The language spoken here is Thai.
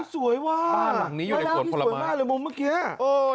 สวยว่าบ้านหลังนี้อยู่ในขวดพลมาสมุมเมื่อกี้สวยมากเลย